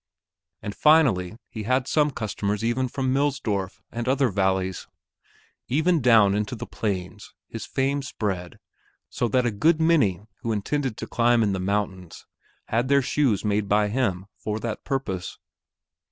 And finally he had some customers even from Millsdorf and other valleys. Even down into the plains his fame spread so that a good many who intended to climb in the mountains had their shoes made by him for that purpose.